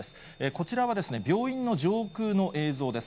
こちらは病院の上空の映像です。